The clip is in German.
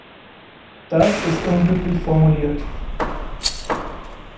Das ist unglücklich formuliert.